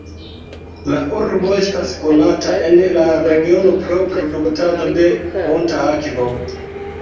La urbo estas konata en la regiono pro produktado de fonta akvo.